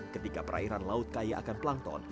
ketika perairan laut kaya akan plankton